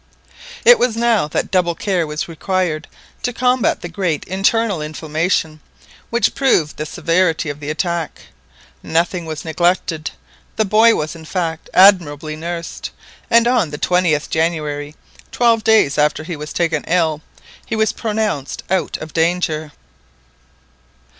It was now that double care was required to combat the great internal inflammation, which proved the severity of the attack, Nothing was neglected, the boy was, in fact, admirably nursed, and on the 20th January, twelve days after he was taken ill, he was pronounced out of danger.